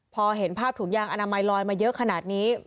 พอเห็นภาพถุงยางอนามัยลอยมาเยอะขนาดนี้